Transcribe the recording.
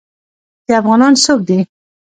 چې افغانان څوک دي.